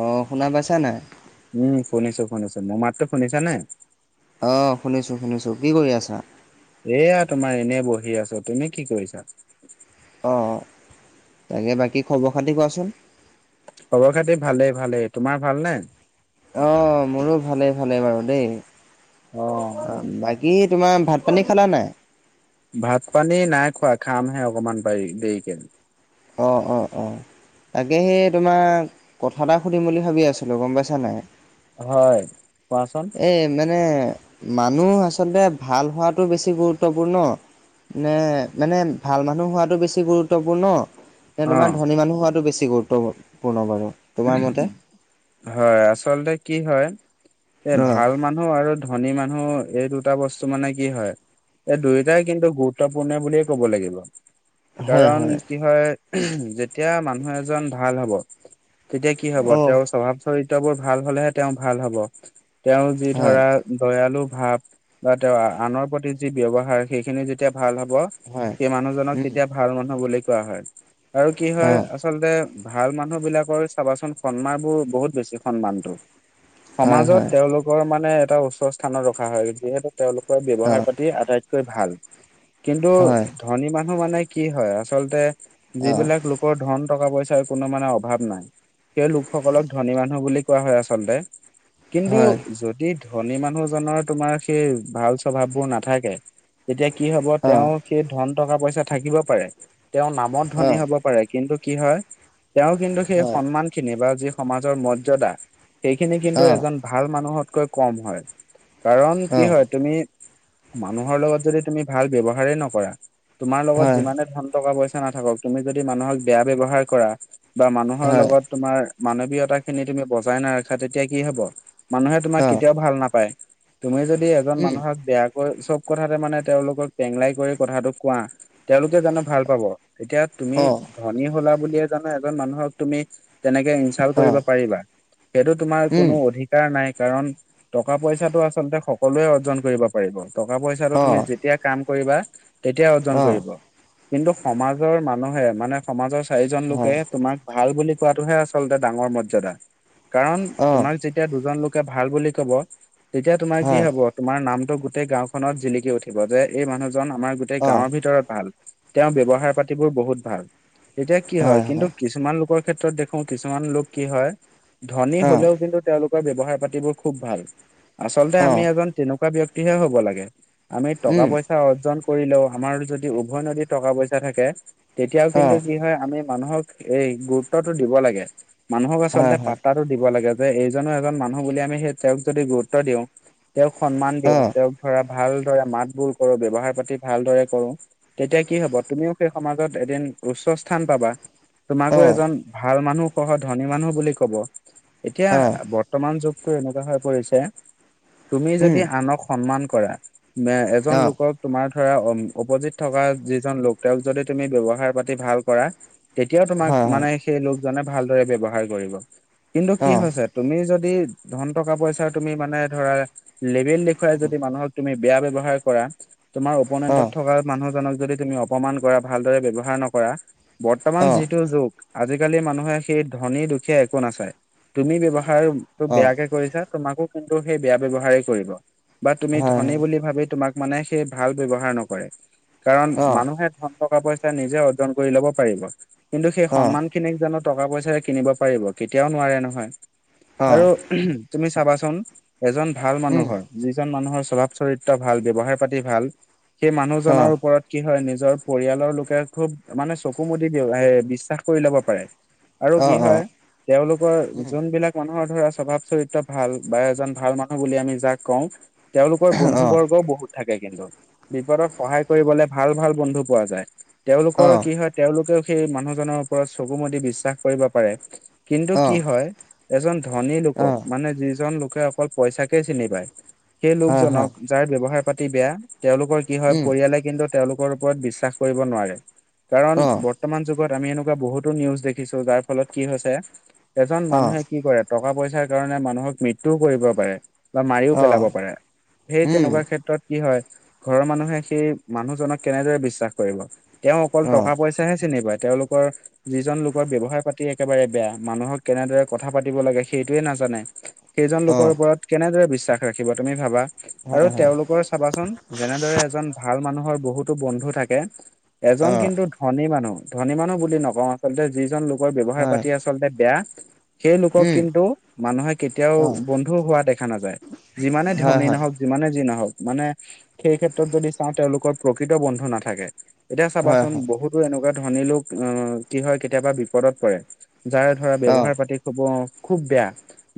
অ শুনা পাইছা নাই? উম, শুনিছো শুনিছো মোৰ মাতটো শুনিছানে? অ', শুনিছো শুনিছো, কি কৰি আছা? এয়া তোমাৰ এনে বহি আছো। তুমি কি কৰিছা? অ তাকে বাকী খবৰ-খাতি কোৱাচোন? খবৰ-খাতি ভালে ভালে তোমাৰ ভালনে? অ মোৰো ভালে ভালে বাৰু দেই। অ', বাকী তোমাৰ ভাত-পানী খালা নাই? ভাত-পানী নাই খোৱা খামহে অকনমান পাৰি দেৰিকে। অ' অ' অ'। তাকেহে তোমাৰ কথা এটা সুধিম বুলি ভাবি আছিলো গম পাইছা নাই? হয়, কোৱাচোন। এ মানে মানুহ আচলতে ভাল হোৱাতো বেছি গুৰুত্বপূৰ্ণ নে মানে, ভাল মানুহ হোৱাতো বেছি গুৰুত্বপূৰ্ণ নে তোমাৰ অ', ধনী মানুহ হোৱাতো বেছি গুৰুত্বপূৰ্ণ বাৰু? তোমাৰ মতে? উমঁ। হয়, আচলতে কি হয়, এ অ', ভাল মান- নুহ আৰু ধনী মানুহ, এই দুটা বস্তু মানে কি হয়? এ দুয়োটাই কিন্তু গুৰুত্বপূৰ্ণে বুলিয়ে ক'ব লাগিব। হয় কাৰণ হয়, কি হয়, উমহো' যেতিয়া মানুহ এজন ভাল হ'ব। তেতিয়া কি হ'ব? অ', তেওঁৰ স্বভাৱ-চৰিত্ৰবোৰ ভাল হ'লেহে তেওঁ ভাল হ'ব। তেওঁ যি হয়। ধৰা- দয়ালু ভাৱ, বা তেওঁৰ আনৰ প্ৰতি যি ব্যৱহাৰ, সেইখিনি যেতিয়া ভাল হ'ব। হয় সেই মানুহজনক উম তেতিয়া ভাল মানুহ বুলি কোৱা হয়। আৰু কি অ হয়‌ আ আচলতে ভাল মানুহবিলাকৰ চাবাচোন সন্মান বোৰ, বহুত বেছি সন্মানতো। হয় সমাজত হয় তেওঁলোকৰ মানে, এটা উচ্চ স্থানত ৰখা হয়। যিহেতু- তেওঁলোকৰ অ ব্যৱহাৰ পাতি আটাইতকৈ ভাল। কিন্তু- হয় ধনী মানুহ মানে কি হয়? আচলতে অ যিবিলাক লোক ৰ ধন, টকা-পইচাৰ কোনো মানে অভাৱ নাই। সেই লোকসকলক ধনী মানুহ বুলি কোৱা হয় আচলতে। কিন্তু হয় যদি,, ধনী মানুহজনৰ তোমাৰ সেই ভাল স্বভাৱবোৰ নাথাকে। তেতিয়া কি হ'ব অ তেওঁ- সেই ধন, টকা-পইচা থাকিব পাৰে। তেওঁ নামত অ ধনী হ'ব পাৰে, কিন্তু কি হয়,,, তেওঁ কিন্তু সেই সন্মান খিনি বা যি সমাজৰ মৰ্যদা, সেইখিনি কিন্তু হয় এজন ভাল মানুহতকৈ কম হয়। কাৰণ অ কি অ হয়। তুমি মানুহৰ লগত যদি তুমি ভাল ব্যৱহাৰে নকৰা, তোমাৰ লগত হয় যিমানে ধন,,, টকা-পইচা নাথাকক, তুমি যদি মানুহক বেয়া ব্যৱহাৰ কৰা বা মানুহৰ হয় লগত,,, তোমাৰ মানৱীয়তা খিনি তুমি বজাই নাৰাখা, তেতিয়া কি হ'ব? মানুহে তোমাক অ কেতিয়াও ভাল নাপায়। তুমি যদি এজন উম মানুহক বেয়া,,, চব কথাতে, মানে, তেওঁলোকক টেংলাই কৰি কথাটো কোৱা। তেওঁলোকে জানো ভাল পাব, এতিয়া তুমি অ ধনী হোলা বুলিয়ে জানো এজন মানুহক,,,, তুমি তেনেকে ইনচাল্ট অ কৰিব পাৰিবা, সেইটো তোমাৰ উম কোনো অধিক,,, অধিকাৰ নাই কাৰণ টকা পইচাটো আচলতে সকলোৱে অৰ্জন কৰিব পাৰিব। টকা পইচাটো অ তুমি যেতিয়া কাম কৰিবা, তেতিয়া অৰ্জন অ কৰিব। কিন্তু সমাজৰ মানুহে, মানে, সমাজৰ চাৰিজন হয় লোকে তোমাক। ভাল বুলি কোৱাটোহে আচলতে ডাঙৰ মৰ্যদা, কাৰণ অ তোমাক যে,,, তেতিয়া দুজন লোকে ভাল বুলি কব, তেতিয়া তোমাৰ কি হয় হব? তোমাৰ নামটো গোটেই গাঁওখনত জিলিকি উঠিব যে এই মানুহজন আমাৰ গোটেই অ গাঁৱৰ ভিতৰত ভাল। তেওঁৰ ব্যৱহাৰ পাতিবোৰ বহুত ভাল। তেতিয়া কি হয়, কিন্তু কিছ,,, কিছুমান লোকৰ ক্ষেত্ৰত দেখোন কিছুমান লোক কি হয়, ধনী অ হ'লেও কিন্তু তেওঁলোক ব্যৱহাৰ পাতিবোৰ খুব ভাল, আচলতে অ আমি এজন তেনেকুৱা ব্যক্তিহে হ'ব লাগে। আমি টকা উম পইচা অৰ্জন কৰিলেও, আমাৰ যদি উভয় নদীত টকা পইচা থাকে। তেতিয়াও অ কিন্তু কি হয়, আমি মানুহক এই গুৰুত্বটো দিব লাগে, মানুহক হয় আচলতে হয় পাতাত দিব লাগে যে এইজনো এজন মানুহ বুলি, আমি সেই তেওঁক যদি গুৰুত্ব দিওঁ তেওঁক সন্মান অ দিওঁ, তেওঁক ধৰা ভালদৰে মাতবোৰ কৰো, ব্যৱহাৰ পাতি ভালদৰে কৰো। তেতিয়া কি হ'ব, তুমিও সেই সমাজত এদিন উচ্চ স্থান পাবা। তোমাকো অ এজন ভাল মানুহ, সহ ধনী মানুহ বুলি কব এতিয়া। অ বৰ্তমান যুগটো এনেকুৱা হৈ পৰিছে, তুমি উম যদি আনক সন্মান কৰা,,,, এজন অ লোকক তোমাৰ ধৰা, অপজিত থকা যিজন লোক, তেওঁক যদি তুমি ব্যৱহাৰ পাতি ভাল কৰা। এতিয়াও তোমাক, হয় হয় মানে, সেই লোকজনে ভালদৰে ব্যৱহাৰ কৰিব কিন্তু কি হৈছে? তুমি যদি, ধন টকা পইচা তুমি মানে, ধৰা লেবেল দেখুৱাই যদি মানুহক। তুমি বেয়া ব্যৱহাৰ কৰা, তোমাৰ অ অপোনেণ্টত থকা মানুহজনক যদি তুমি অপ,, অপমান কৰা, ভালদৰে ব্যৱহাৰ নকৰা, অ বৰ্তমান অ যিটো যুগ আজিকালি মানুহে সেই ধনী দুখীয়া একো নাচায়, তুমি ব্যৱহাৰটো অ বেয়াকে কৰিছা। তোমাকো কিন্তু সেই বেয়া ব্যয়ৱহাৰেই কৰিব। বা তুমি হয় ধনী হয় বুলি ভাবি তোমাক, মানে, সেই ভাল ব্যৱহাৰ নকৰে। কাৰণ অ মানুহে ধন টকা পইচা নিজে অৰ্জন কৰি ল'ব পাৰিব। কিন্তু সেই অ সন্মান খিনিক জানো টকা পইচাৰে কিনিব পাৰিব, কেতিয়াও নোৱাৰে নহয়। অ আৰু উমহ তুমি চাবাচোন। এজন ভাল উম মানুহৰ, যিজন মানুহৰ স্বভাৱ চৰিত্ৰ ভাল, ব্যৱহাৰ পাতি ভাল সেই অ মানুহজনৰ ওপৰত কি হয়, নিজৰ পৰিয়ালৰ লোকে খুব মানে চকু মু দি বিশ্বাস কৰি ল'ব পাৰে, আৰু অ কি অ হয় তেওঁলোকৰ উম যোনবিলাক মানুহৰ ধৰা স্বভাৱ চৰিত্ৰ ভাল বা এজন ভাল মানুহ বুলি আমি যাক কওঁ তেওঁলোকৰ বন্ধু অ বৰ্গও বহুত থাকে কিন্তু বিপদত সহায় কৰিবলে ভাল ভাল বন্ধু পোৱা যায়, তেওঁওলোকৰ অ', কি হয় তেওঁলোকেও সেই মানুহজনৰ ওপৰত চকুমুদি বিশ্বাস কৰিব পাৰে। কিন্তু কি অ', হয় এজন ধনী লোকক, অ', মানে যিজন লোকে অকল পইচাকে চিনি পায় সেই হয়, লোকজনক, হয়, যাৰ ব্যৱহাৰ পাতি বেয়া তেওঁলোকৰ কি হয়, উম, পৰিয়ালে কিন্তু তেওঁলোকৰ ওপৰত বিশ্বাস কৰিব নোৱাৰে, কাৰণ অ', বৰ্তমান যুগত আমি এনেকুৱা বহুতো নিউজ দেখিছোঁ, যাৰ ফলত কি হৈছে এজন অ', মানুহে কি কৰে, টকা পইচাৰ কাৰণে মানুহক মৃত্যুও কৰিব পাৰে। বা মাৰিও পেলাব অ', পাৰে, সেই তেনেকুৱা উম, ক্ষেত্ৰত কি হয় ঘৰৰ মানুহে সেই মানুহজনক কেনেদৰে বিশ্বাস কৰিব, তেওঁ অকল অ', টকা পইচাহে চিনি পায়। তেওঁলোকৰ যিজন লোকৰ ব্যৱহাৰ পাতি একেবাৰে বেয়া, মানুহক কেনেদৰে কথা পাতিব লাগে সেইটোৱে নাজানে। সেইজন লোকৰ অ', ওপৰত কেনেদৰে বিশ্বাস ৰাখিবা তুমি ভাবা। আৰু হয়, হয়, তেওঁলোকৰ চাবাচোন, যেনেদৰে এজন ভাল মানুহৰ বহুতো বন্ধু থাকে এজন অ', কিন্তু ধনী মানুহ, ধনী মানুহ বুলি নকওঁ আচলতে, যিজন লোকৰ ব্যৱহাৰ হয়, পাতি আচলতে বেয়া সেই লোকক উম, কিন্তু মানুহে কেতিয়াও অ', বন্ধু হোৱা দেখা নাযায়। যিমানে হয়, ধনী হয়, নহওক, যিমানে যি নহওক, মানে সেই ক্ষেত্ৰত যদি চাওঁ, তেওঁলোকৰ প্ৰকৃত বন্ধু নাথাকে। এতিয়া হয়, চাবাচোন হয়, বহুত বোৰ এনেকুৱা ধনী লোক অ কি হয় কেতিয়াবা বিপদত পৰে। যাৰ ধৰা অ', ব্যৱহাৰ পাতি খুব অঁ খুব বেয়া।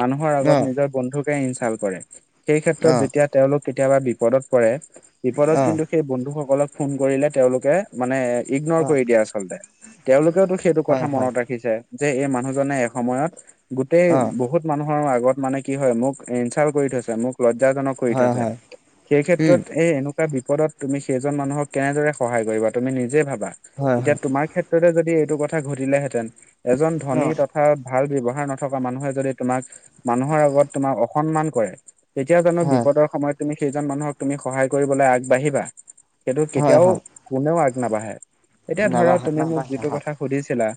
মানুহৰ আগত অ', নিজৰ বন্ধুকে ইনচাল কৰে। সেই অ', ক্ষেত্ৰত অ', যেতিয়া তেওঁলোক কেতিয়াবা বিপদত পৰে বিপদত অ', কিন্তু সেই বন্ধুসকলক ফোন কৰিলে তেওঁলোকে মানে ইগনৰ কৰি দিয়ে আচলতে। তেওঁলোকেওতো সেইটো কথা হয়, হয়, মনত ৰাখিছে, যে এই মানুহজনে এসময়ত গোটেই অ', বহুত মানুহৰ আগত মানে কি হয় মোক ইনচাল কৰি থৈছে মোক লজ্জাজনক কৰি হয়, থৈছে। হয়, সেই উম, ক্ষেত্ৰত এই এনেকুৱা বিপদত তুমি সেইজন মানুহক কেনেদৰে সহায় কৰিবা তুমি নিজে ভাবা। হয়, এতিয়া হয়, তোমাৰ ক্ষেত্ৰতে যদি এইটো কথা ঘটিলেহেঁতেন। এজন অ', ধনী তথা ভাল ব্যৱহাৰ নথকা মানুহে যদি তোমাক মানুহৰ আগত তোমাক অসন্মান কৰে। তেতিয়া জানো বিপদৰ সময়ত তুমি সেইজন মানুহক তুমি সহায় কৰিবলৈ আগবাঢ়িবা। সেইটো হয়, হয়, কেতিয়াও হয়, কোনেও আগ নাবাঢ়ে, এতিয়া ধৰা নাবাঢ়ে, তুমি মোক নাবাঢ়ে, যিটো হয়, কথা সুধিছিলা,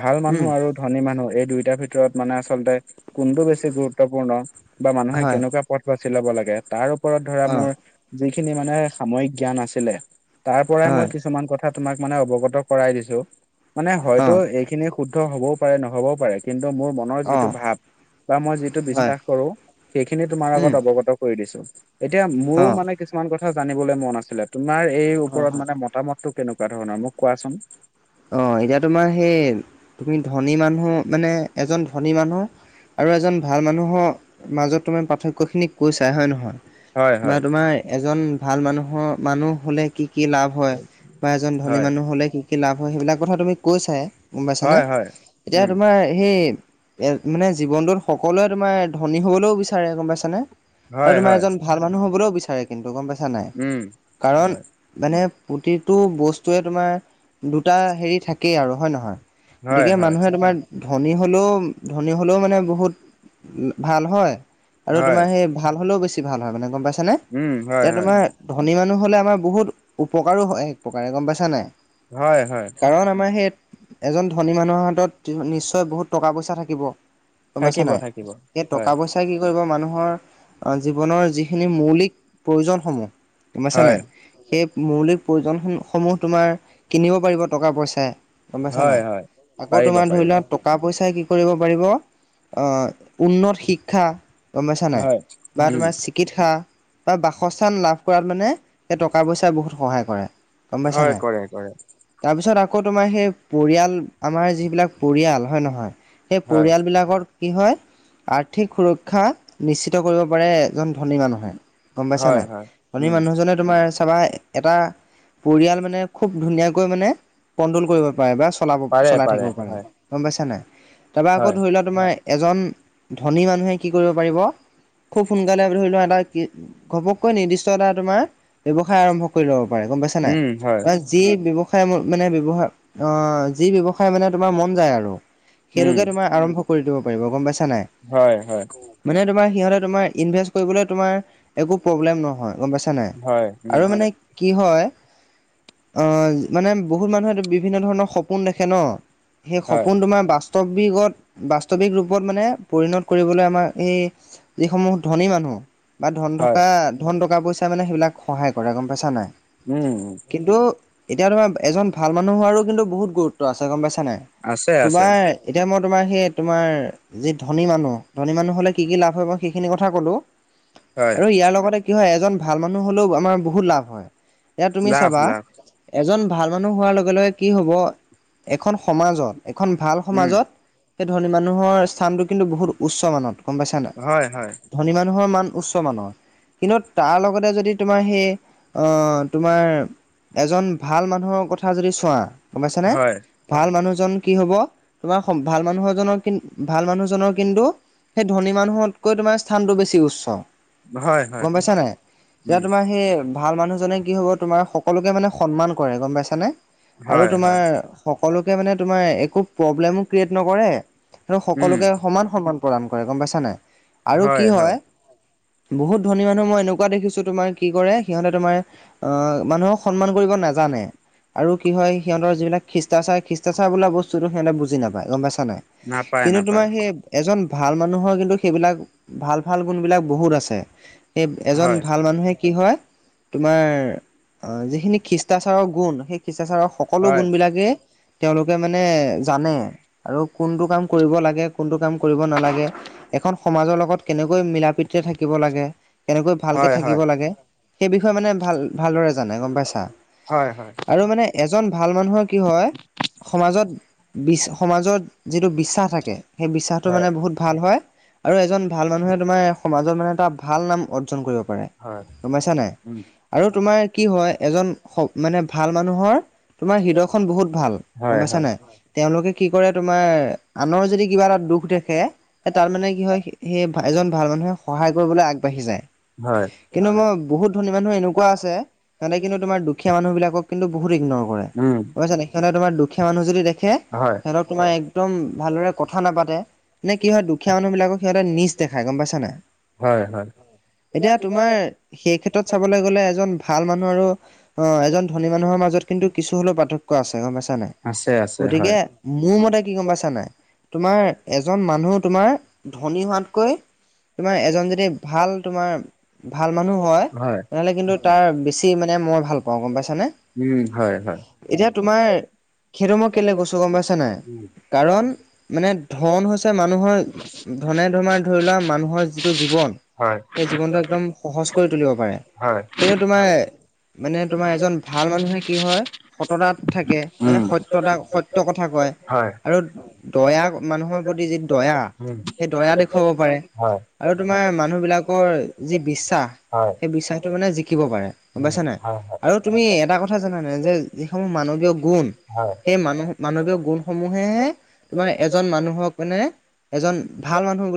ভাল মানুহ উম, আৰু ধনী মানুহ এই দুইটাৰ ভিতৰত মানে আচলতে কোনটো বেছি গুৰুত্বপূৰ্ণ বা মানুহে হয়, কেনেকুৱা পথ বাছি ল'ব লাগে তাৰ ওপৰত ধৰা অ', মোৰ যিখিনি মানে সাময়িক জ্ঞান আছিলে তাৰ পৰাই হয়, মই কিছুমান কথাত তোমাক মানে অৱগত কৰাই দিছো মানে অ', হয়তো অ', এইখিনি শুদ্ধ হবও পাৰে নহ'বও পাৰে, কিন্তু মোৰ মনৰ যিটো ভাৱ বা মই যিটো হয়, বিশ্বাস কৰো সেইখিনি তোমাৰ উম, আগত অৱগত কৰি দিছো। এতিয়া মোৰো অ', মানে কিছুমান কথা জানিবলৈ মন আছিলে তোমাৰ এই হয়, ওপৰত হয়। মানে মতামতটো কেনেকুৱা ধৰণৰ মোক কোৱাচোন? অঁ এতিয়া তোমাৰ সেই তুমি ধনী মানুহ মানে এজন ধনী মানুহ আৰু এজন ভাল মানুহো মাজত তূমি পাৰ্থক্যখিনিক কৈছাই হয় নহয় হয় বা হয় তোমাৰ এজন ভাল মানুহো মানুহ হলে কি কি লাভ হয় বা এজন ধনী হয় মানুহ হলে কি কি লাভ হয় সেইবিলাক কথা তুমি কৈছাই। গম পাইছা নে? হয় হয় এতিয়া উম তোমাৰ সেই মানে জীৱনটোত সকলোৱে তোমাৰ ধনী হবলৈও বিচাৰে গম পাইছানে। আৰু হয় তোমাৰ হয় এজন ভাল মানুহ হবলৈও বিচাৰে কিন্তু গম পাইছা নাই, উম কাৰণ হয় মানে প্ৰতিটো বস্তুৱে তোমাৰ দুটা হেৰি থাকে আৰু হয় নহয়? হয় গতিকে হয় মানুহে তোমাৰ ধনী হ'লেও ধনী হ'লেও মানে বহুত ভাল হয়, আৰু হয় তোমাৰ সেই ভাল হ'লেও বেছি ভাল হয় মানে গম পাইছা নে, উম হয় এতিয়া হয় তোমাৰ ধনী মানুহ হ'লে আমাৰ বহুত উপকাৰো হয় এক প্ৰকাৰে গম পাইছা নাই? হয় হয়। কাৰণ আমাৰ সেই এজন ধনী মানুহৰ হাতত নিশ্চয় বহুত টকা পইচা থাকিব, গম পাইছা থাকিব নাই, থাকিব সেই টকা হয় পইচা ই কি কৰিব মানুহৰ জীৱনৰ যিখিনি মৌলিক প্ৰয়োজনসমূহ গম পাইছা হয় নাই? সেই মৌলিক প্ৰয়োজনসমূহ তোমাৰ কিনিব পাৰিব টকা পইচাই। গম পাইছা হয় নাই। হয় আকৌ পাৰিব তোমাৰ ধৰি পাৰিব লোৱা টকা পইচাই কি কৰিব পাৰিব আহ উন্নত শিক্ষা গম পাইছা নাই, হয় বা উম তোমাৰ চি কিৎসা বা বাসস্থান লাভ কৰাত মানে, সেই টকা পইচাই বহুত সহায় কৰে। গম পাইছা নাই? হয় কৰে কৰে। তাৰপিছত আকৌ তোমাৰ সেই পৰিয়াল আমাৰ যিবিলাক পৰিয়াল, হয় নহয়। সেই হয় পৰিয়ালবিলাকৰ কি হয় আৰ্থিক সুৰক্ষা নিশ্চিত কৰিব পাৰে এজন ধনী মানুহে। গম পাইছা হয় নাই? হয় ধনী উম মানুহজনে তোমাৰ চাবা, এটা পৰিয়াল মানে খুব ধুনীয়াকৈ মানে কণ্ট্ৰল কৰিব পাৰে বা চলাব পাৰে চলাই থাকিব পাৰে। হয় গম পাইছা নাই? তাৰপৰা আকৌ হয় ধৰি লোৱা তোমাৰ এজন ধনী মানুহে কি কৰিব পাৰিব, খুব সোনকালে ধৰি লোৱা এটা কি ঘপকৈ নিৰ্দিষ্ট এটা তোমাৰ ব্যৱসায় আৰম্ভ কৰি ল'ব পাৰে, গম পাইছা নাই? উম হয় যি ব্যৱসায় মানে ব্যৱহাৰ, অহ, যি ব্যৱসায় মানে তোমাৰ মন যায় আৰু। উম সেইটোকে তোমাৰ আৰম্ভ কৰি দিব পাৰিব। গম পাইছা নে নাই? হয় হয়। মানে তোমাৰ সিহঁতে তোমাৰ ইনভেষ্ট কৰিবলে তোমাৰ একো প্ৰব্লেম নহয়। গম পাইছা নাই? হয় উম আৰু মানে কি হয় অ মানে বহুত মানুহেটো বিভিন্ন ধৰণৰ সপোন দেখে ন, সেই হয় সপোন তোমাৰ বা স্তৱিগত বাস্তৱিক ৰূপত মানে পৰিণত কৰিবলৈ আমাক এই যিসমূহ ধনী মানুহ, বা ধন হয় থকা, ধন টকা পইচাই মানে সেইবিলাক সহায় কৰে, গম পাইছা নাই? উম। কিন্তু এতিয়া তোমাৰ এজন ভাল মানুহ হোৱাৰো কিন্তু বহুত গুৰুত্ব আছে, গম পাইছা নাই? আছে আছে তোমাৰ, এতিয়া মই তোমাৰ সেই তোমাৰ যি ধনী মানুহ, ধনী মানুহ হ'লে কি কি লাভ হয়, মই সেইখিনি কথা ক'লো। হয় আৰু ইয়াৰ লগতে কি হয়, এজন ভাল মানুহ হ'লেও আমাৰ বহুত লাভ হয়। এতিয়া তুমি লাভ চাবা, লাভ এজন ভাল মানুহ হোৱাৰ লগে লগে কি হ'ব, এখন সমাজত এখন ভাল উম, সমাজত, সেই ধনী মানুহৰ স্থানটো কিন্তু বহুত উচ্চ মানত, গম পাইছা নাই? হয় হয়। ধনী মানুহৰ মান উচ্চ মান, কিন্তু তাৰ লগতে যদি তোমাৰ সেই, অহ তোমাৰ এজন ভাল মানুহৰ কথা যদি চোৱা। গম পাইছানে? হয় ভাল মানুহজন কি হ'ব, তোমাৰ ভাল মানুহ এজনৰ কিন, ভাল মানুহজনৰ কিন্তু সেই ধনী মানুহতকৈ তোমাৰ স্থানটো বেছি উচ্চ। হয় হয় গম পাইছা নাই? এতিয়া উম, তোমাৰ সেই ভাল মানুহজনে কি হ'ব তোমাৰ সকলোকে মানে সন্মান কৰে, গম পাইছানে? আৰু হয় তোমাৰ হয় সকলোকে মানে তোমাৰ, একো প্ৰব্লেমো ক্ৰিয়েট নকৰে আৰু উম, সকলোকে সমান সন্মান প্ৰদান কৰে, গম পাইছা নাই? আৰু কি হয় বহুত ধনী মানুহ মই এনেকুৱা দেখিছো তোমাৰ কি কৰে, সিহঁতে তোমাৰ অহ মানুহক সন্মান কৰিব নাজানে। আৰু কি হয়, সিহঁতৰ যিবিলাক খ্ৰীষ্টাচাৰ, খ্ৰীষ্টাচাৰ বোলা বস্তুটো সিহঁতে বুজি নাপায গম পাইছা নাই? নাপায় কিন্তু তোমাৰ নাপায় সেই এজন ভাল মানুহৰ কিন্তু, সেইবিলাক ভাল ভাল গুণবিলাক বহুত আছে। সেই এজন হয় ভাল মানুহে কি হয়, তোমাৰ যিখিনি খ্ৰীচ শিষ্টাচাৰৰ গুণ, সেই শিষ্টাচাৰৰ সকলো হয় গুণবিলাকেই তেওঁলোকে মানে জানে আৰু কোনটো কাম কৰিব লাগে, কোনটো কাম কৰিব নালাগে। এখন সমাজৰ লগত কেনেকৈ মিলা প্ৰীতিৰে থাকিব লাগে। কেনেকৈ ভালকে হয় থাকিব হয় লাগে, সেই বিষয়ে মানে ভাল ভালদৰে জানে, গম পাইছা? হয় হয়। আৰু মানে এজন ভাল মানুহৰ কি হয়, সমাজত বিচ সমাজত যিটো বিশ্বাস থাকে, সেই বিশ্বাসটো হয় মানে বহুত ভাল হয়। আৰু এজন ভাল মানুহে তোমাৰ সমাজত মানে এটা ভাল নাম অৰ্জন কৰিব পাৰে, হয় গমা পাইছা নাই? উম, আৰু তোমাৰ কি হয় এজন মানে ভাল মানুহৰ তোমাৰ হৃদয়খন বহুত ভাল, গম হয় পাইছা হয় নাই? তেওঁলোকে কি কৰে তোমাৰ, আনৰ যদি কিবা এটা দুখ দেখে এ তাত মানে কি হয়, সেই এজন ভাল মানুহে সহায় কৰিবলৈ আগবাঢ়ি যায়। হয় কিন্তু মই বহুত ধনী মানুহ এনেকুৱা আছে, সিহতে কিন্তু তোমাৰ দু দুখীয়া মানুহবিলাকক কিন্তু বহুত ইগনৰ কৰে। উম, গম পাইছা নাই সিহঁতে তোমাৰ দুখীয়া মানুহ যদি দেখে হয় সিহঁতক তোমাৰ একদম ভালদৰে কথা নাপাতে নে কি হয় দুখীয়া মানুহ বিলাকক সিহঁতে নিজ দেখাই গম পাইছা নাই। হয় হয় এতিয়া তোমাৰ সেই ক্ষেত্ৰত চাবলৈ গলে এজন ভাল মানুহ আৰু অ এজন ধনী মানুহৰ মাজত কিন্তু কিছু হলেও পাৰ্থক্য আছে গম পাইছা নাই আছে আছে গতিকে হয় মোৰ মতে কি গম পাইছা নাই তোমাৰ এজন মানুহ তোমাৰ ধনী হোৱাতকৈ তোমাৰ এজন যদি ভাল তোমাৰ ভাল মানুহ হয়, তেনেহলে কিন্তু তাৰ বেছি মানে মই ভাল অ', গম পাইছানে? উম, হয় হয় এতিয়া তোমাৰ সেইতো মই কেলে কৈছোঁ, গম পাইছা নাই? উম, কাৰণ মানে ধন হৈছে মানুহৰ ধনে ধমাৰ ধৰি লোৱা মানুহৰ যিটো জীৱন হয় সেই জীৱনটো একদম সহজ কৰি তুলিব পাৰে হয় কিন্তু তোমাৰ মানে তোমাৰ এজন ভাল মানুহে কি হয়, সততাত থাকে মানে উম, সত্যতা সত্য কথা কয়। হয়। আৰু দয়া মানুহৰ প্ৰতি যি দয়া উম, সেই দয়া দেখুৱাব পাৰে। হয় আৰু তোমাৰ মানুহবিলাকৰ যি বিশ্বাস হয় সেই বিশ্বাসটো মানে জিকিব পাৰে, গম উম, পাইছা নাই? হয় আৰু তুমি এটা কথা জানানে যে যিসমূহ মানৱীয় গুণ হয় সেই মানুহ মানৱীয় গুণসমূহে তোমাৰ এজন মানুহক মানে এজন ভাল মানুহ বু